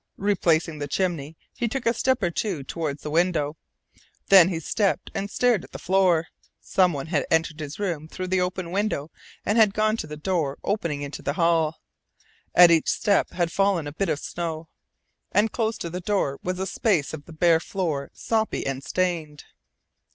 Replacing the chimney, he took a step or two toward the window. Then he stopped, and stared at the floor. Some one had entered his room through the open window and had gone to the door opening into the hall. At each step had fallen a bit of snow, and close to the door was a space of the bare floor soppy and stained.